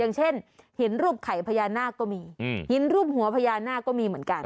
อย่างเช่นหินรูปไข่พญานาคก็มีหินรูปหัวพญานาคก็มีเหมือนกัน